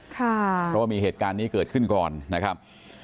เพราะว่ามีเหตุการณ์นี้เกิดขึ้นก่อนนะครับ